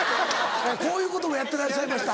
「こういうこともやってらっしゃいました」。